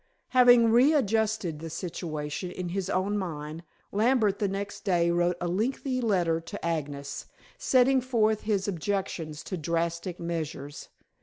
Having readjusted the situation in his own mind, Lambert next day wrote a lengthy letter to Agnes, setting forth his objections to drastic measures.